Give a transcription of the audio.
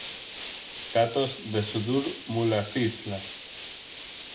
Datos de Suður-Múlasýsla